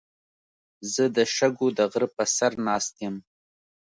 زه د شګو د غره په سر ناست یم.